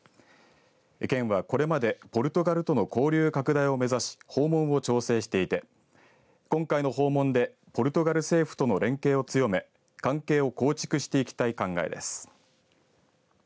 県はこれまでポルトガルとの交流拡大を目指し訪問を調整していて今回の訪問でポルトガル政府との連携を強め関係を構築していきたい考えです。